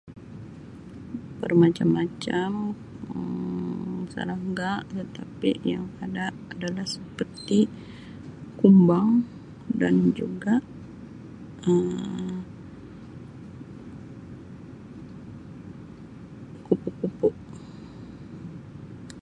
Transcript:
Bermacam-macam Um serangga tetapi yang ada adalah seperti kumbang dan juga Um kupu-kupu.